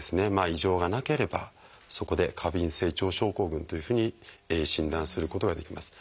異常がなければそこで「過敏性腸症候群」というふうに診断することができます。